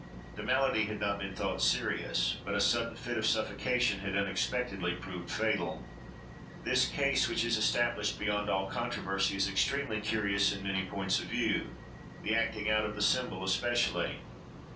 The malady had not been thought serious; but a sudden fit of suffocation had unexpectedly proved fatal. This case, which is established beyond all controversy, is extremely curious in many points of view; the acting out of the symbol, especially.